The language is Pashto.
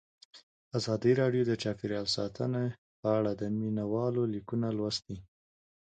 ازادي راډیو د چاپیریال ساتنه په اړه د مینه والو لیکونه لوستي.